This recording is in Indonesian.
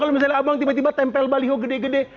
kalau misalnya abang tiba tiba tempel baliho gede gede